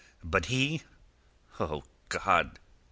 But he...O God!"